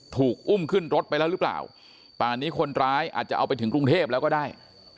ถูกอุ้มขึ้นรถไปแล้วหรือเปล่าป่านนี้คนร้ายอาจจะเอาไปถึงกรุงเทพแล้วก็ได้